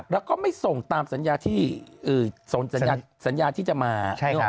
แล้วก็ไม่ส่งตามสัญญาที่จะมา